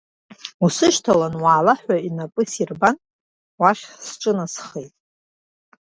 Усышьҭаланы уаала ҳәа инапы сирбан, уахь сҿынасхеит.